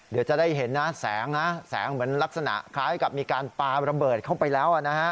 เดี๋ยวจะได้เห็นนะแสงนะแสงเหมือนลักษณะคล้ายกับมีการปลาระเบิดเข้าไปแล้วนะฮะ